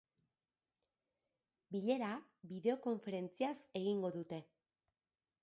Bilera bideokonferentziaz egingo dute.